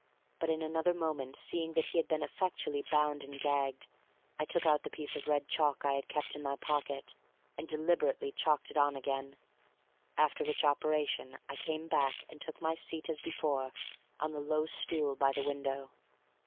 But in another moment seeing that he had been effectually bound and gagged, I took out the piece of red chalk I had kept in my pocket, and deliberately chalked it on again, after which operation I came back and took my seat as before on the low stool by the window.